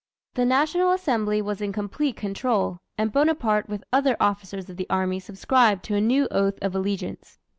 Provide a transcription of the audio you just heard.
The National Assembly was in complete control, and Bonaparte with other officers of the army subscribed to a new oath of allegiance.